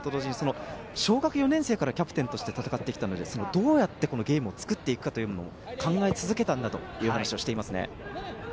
誇らしく思うと同時に、小学４年生からキャプテンとして戦っていましたが、どうやってゲームを作っていくかというのを考え続けたんだという話をしています。